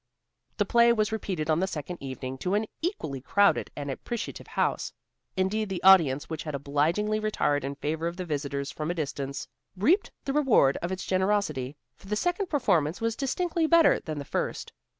The play was repeated on the second evening to an equally crowded and appreciative house. Indeed, the audience which had obligingly retired in favor of the visitors from a distance, reaped the reward of its generosity, for the second performance was distinctly better than the first.